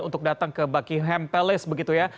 untuk datang ke buckyham palace begitu ya